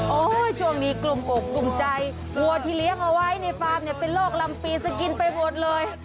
โอ้โหช่วงนี้กลุ่มอกกลุ่มใจวัวที่เลี้ยงเอาไว้ในฟาร์มเนี่ยเป็นโรคลำปีจะกินไปหมดเลย